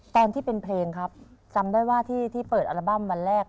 ตอนที่เป็นเพลงครับจำได้ว่าที่เปิดอัลบั้มวันแรก